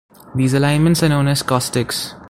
These alignments are known as "caustics".